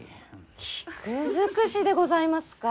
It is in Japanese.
菊尽くしでございますか？